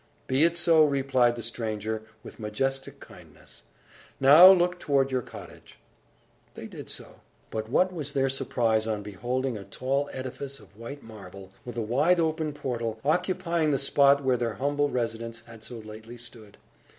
"Be it so!" replied the stranger, with majestic kindness, "Now, look toward your cottage!" They did so. But what was their surprise on beholding a tall edifice of white marble, with a wide open portal, occupying the spot where their humble residence had so lately stood!